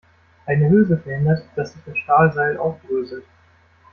Eine Hülse verhindert, dass sich das Stahlseil aufdröselt.